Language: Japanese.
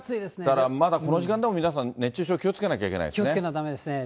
だからこの時間でも、皆さん、熱中症気をつけなきゃいけないで気をつけないとだめですね。